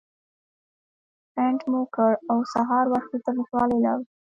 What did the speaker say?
پرنټ مو کړ او سهار وختي تر ولسوالۍ لاړو.